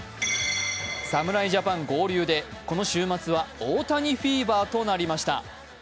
侍ジャパン合流でこの週末は大谷フィーバーとなりました。